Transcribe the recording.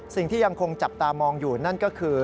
สิ่งที่ยังคงจับตามองอยู่นั่นก็คือ